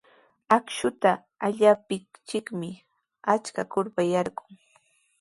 Akshuta allaptinchikmi achka kurpa yarqun.